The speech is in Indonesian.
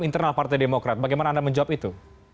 internal partai demokrat bagaimana anda menjawab itu